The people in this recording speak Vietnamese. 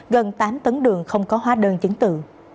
gần tám tấn đường không có hóa đơn chứng tự